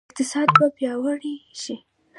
اقتصاد به پیاوړی شي؟